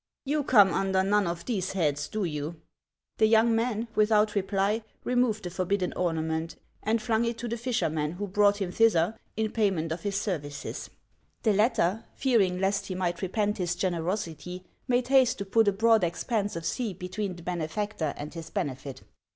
You come under none of these heads, do you ?" The young man, without reply, removed the forbidden ornament, and flung it to the fisherman who brought him thither, in payment of his services; the latter, fear ing lest he might repent his generosity, made haste to put a broad expanse of sea between the benefactor and his benefit.